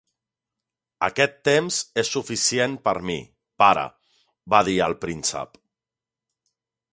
"Aquest temps és suficient per mi, pare", va dir el príncep.